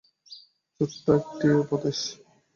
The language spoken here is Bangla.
ছোট্ট একটা উপদেশ।